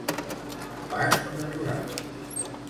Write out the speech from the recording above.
A pas natural.